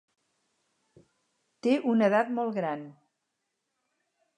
Té una edat molt gran.